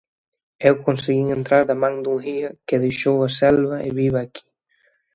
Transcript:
Eu conseguín entrar da man dun guía que deixou a selva e vive aquí.